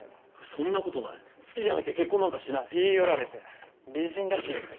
そんなことない好きじゃなきゃ結婚なんかしない言い寄られて美人だしってか？